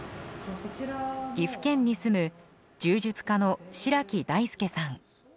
岐阜県に住む柔術家の白木大輔さん。